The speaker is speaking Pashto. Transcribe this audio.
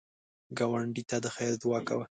ګاونډي ته د خیر دعا کوه